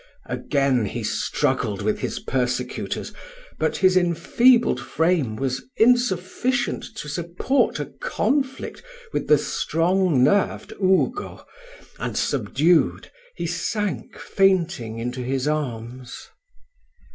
Again he struggled with his persecutors, but his enfeebled frame was insufficient to support a conflict with the strong nerved Ugo, and, subdued, he sank fainting into his arms.